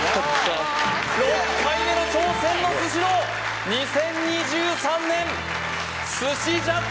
６回目の挑戦のスシロー２０２３年寿司ジャッジ